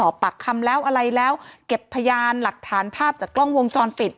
ปากคำแล้วอะไรแล้วเก็บพยานหลักฐานภาพจากกล้องวงจรปิด